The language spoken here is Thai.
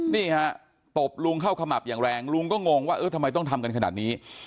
นี่ฮะตบลุงเข้าขมับอย่างแรงลุงก็งงว่าเออทำไมต้องทำกันขนาดนี้